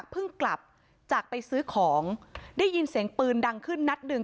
กลับจากไปซื้อของได้ยินเสียงปืนดังขึ้นนัดหนึ่ง